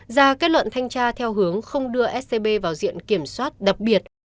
ra kết luận thanh tra theo hướng không đưa scb vào diện kiểm soát đặc biệt